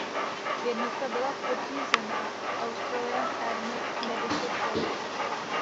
Jednotka byla podřízena "Australian Army Medical Corps".